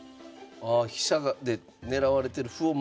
ああ飛車で狙われてる歩を守ってるんですね。